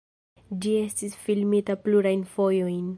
Ĝi estis filmita plurajn fojojn.